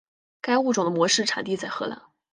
该物种的模式产地在荷兰。